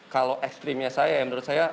kalau ekstrimnya saya menurut saya